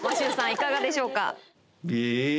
いかがでしょうか？